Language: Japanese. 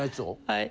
はい。